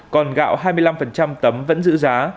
còn gạo hai mươi năm tấm vẫn giữ giá